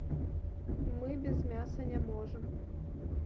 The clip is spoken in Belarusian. Мы без мяса не можам.